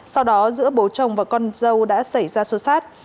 sau đó giữa bố chồng và con dâu đã xảy ra xô xát